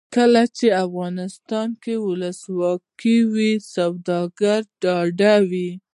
کله چې افغانستان کې ولسواکي وي سوداګر ډاډه وي.